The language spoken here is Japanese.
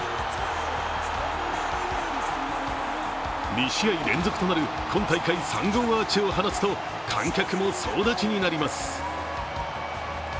２試合連続となる今大会３号アーチを放つと観客も総立ちになります。